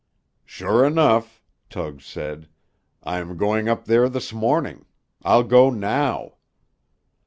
"Sure enough," Tug said. "I am going up there this morning. I'll go now."